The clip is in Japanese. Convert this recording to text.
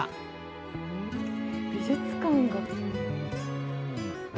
美術館が。